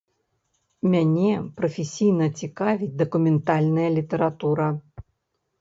Мяне прафесійна цікавіць дакументальная літаратура.